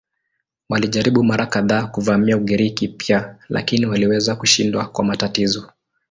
Walijaribu mara kadhaa kuvamia Ugiriki pia lakini waliweza kushindwa kwa matatizo.